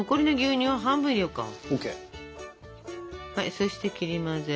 そして切り混ぜ。